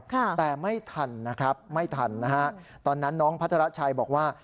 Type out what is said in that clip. แต่ไม่ทันนะครับไม่ทันนะฮะตอนนั้นน้องพัทรชัยบอกว่า